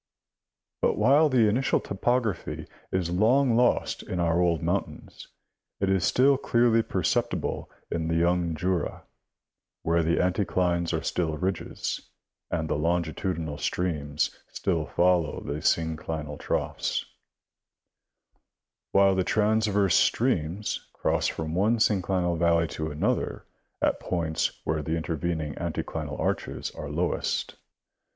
But while the initial topography is long lost in our old mountains, it is still clearly perceptible in the young Jura> The Rivers cmd Valleys of Penvisylvcmia. 225 where the anticlines are still ridges and the longitudinal streams still follow the synclinal troughs ; while the transverse streams cross from one synclinal valley to another at points where the intervening anticlinal arches are lowest.